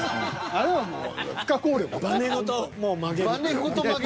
あれはもう不可抗力よ。